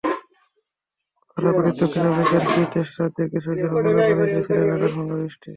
খরাপীড়িত দক্ষিণ আফ্রিকার free state রাজ্যের কৃষকেরা মনেপ্রাণেই চাইছিলেন আকাশভাঙা বৃষ্টি।